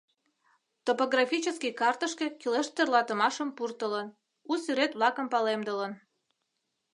Топографический картышке кӱлеш тӧрлатымашым пуртылын, у сӱрет-влакым палемдылын.